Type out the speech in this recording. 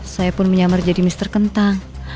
saya pun menyamar jadi mister kentang